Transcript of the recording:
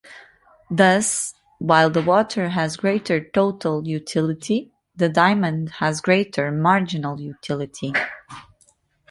Thus, while the water has greater total utility, the diamond has greater marginal utility.